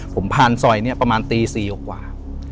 ผมผ่านซอยนี้ประมาณตี๔กว่า